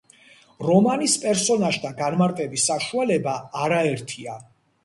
რომანის პერსონაჟთა განმარტების საშუალება არაერთია.